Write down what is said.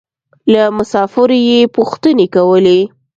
له مسافرو يې پوښتنې کولې.